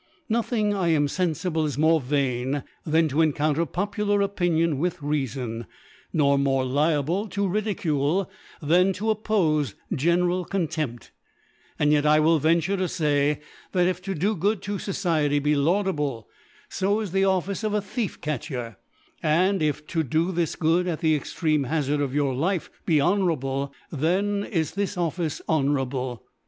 Nothing, I am fenfible, is more vam than to encounter popular Opinion with Reafon ; nor more liable to Ridicule than tb oppofe general Contempt, and yet I will venture ( 1^2 ) iF^nture to 6y, that if to do Good to Sode ty be laud^lo, fo is the Office of a Thief catcher ; and if to do this Good at the ex treme Hazard of your Life be honourable^ then is this Office honourable.